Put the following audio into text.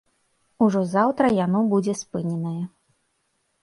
Ужо заўтра яно будзе спыненае.